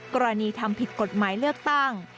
กรณีทำผิดกฎหมายเลือกตั้ง